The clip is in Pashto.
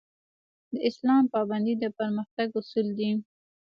د اسلام پابندي د پرمختګ اصول دي